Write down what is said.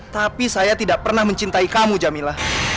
tapi saya tidak pernah mencintai kamu jamila